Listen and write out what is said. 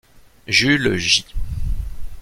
Jules J.